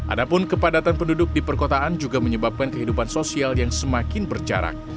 adapun kepadatan penduduk di perkotaan juga menyebabkan kehidupan sosial yang semakin berjarak